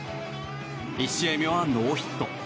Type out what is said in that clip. １試合目はノーヒット。